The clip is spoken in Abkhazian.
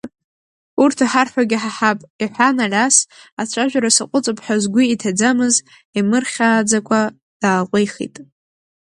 Урҭ иҳарҳәогьы ҳаҳап, — иҳәан Алиас, ацәажәара саҟәыҵып ҳәа згәы иҭаӡамыз, имырхьааӡакәа дааҟәихит.